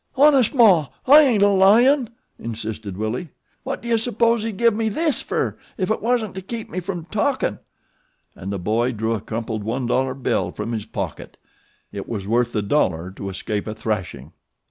"Honest, Maw, I ain't a lyin'," insisted Willie. "Wot do you suppose he give me this fer, if it wasn't to keep me from talkin'," and the boy drew a crumpled one dollar bill from his pocket. It was worth the dollar to escape a thrashing.